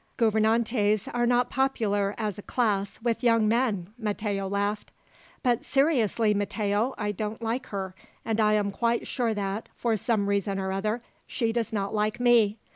"Gouvernantes are not popular, as a class, with young men," Matteo laughed. "But seriously, Matteo, I don't like her; and I am quite sure that, for some reason or other, she does not like me.